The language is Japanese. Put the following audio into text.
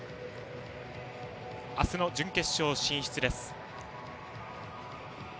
明日の準決勝進出です。